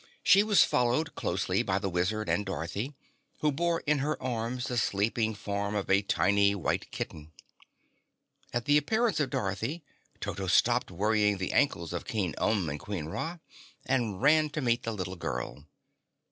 She was followed closely by the Wizard and Dorothy, who bore in her arms the sleeping form of a tiny, white kitten. At the appearance of Dorothy, Toto stopped worrying the ankles of King Umb and Queen Ra and ran to meet the little girl.